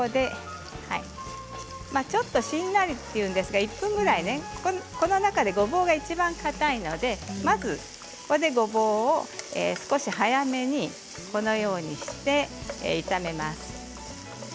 ちょっとしんなりと言うんですが１分ぐらいこの中でごぼうがいちばんかたいのでここでごぼうを少し早めにこのようにして炒めます。